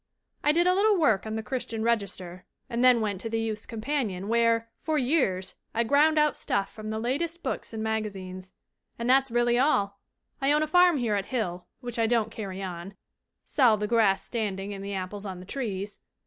"I did a little work on the Christian Register and then went to the Youth's Companion, where, for years, I ground out stuff from the latest books and maga zines. "And that's really all ! I own a farm here at Hill, which I don't carry on sell the grass standing and the apples on the trees.